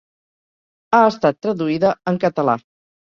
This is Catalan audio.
Ha estat traduïda en català.